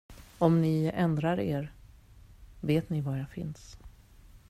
Om ni ändrar er, vet ni var jag finns.